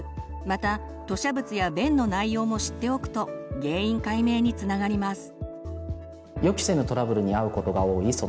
また吐しゃ物や便の内容も知っておくと原因解明につながります。